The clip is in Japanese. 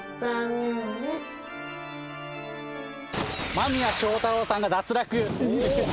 間宮祥太朗さんが脱落。